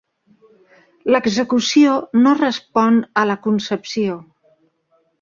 L'execució no respon a la concepció.